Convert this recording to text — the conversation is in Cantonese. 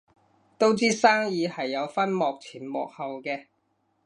都知生意係有分幕前幕後嘅